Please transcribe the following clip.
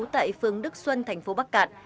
tại phương đức xuân thành phố bắc cạn